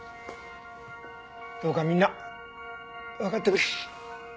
どうかみんなわかってくれ。